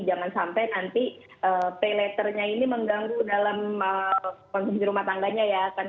jangan sampai nanti pay letternya ini mengganggu dalam konsumsi rumah tangganya ya